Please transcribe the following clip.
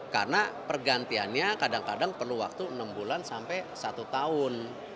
karena pergantiannya kadang kadang perlu waktu enam bulan sampai satu tahun